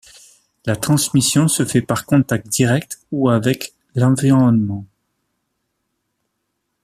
La transmission se fait par contact direct ou avec l'environnement.